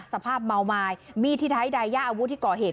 สภาพเมาไม้มีทิศไทยดายย่าอาวุธที่ก่อเหตุ